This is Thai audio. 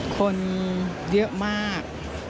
คนเยอะมาก